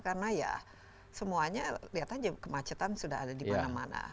karena ya semuanya kemacetan sudah ada di mana mana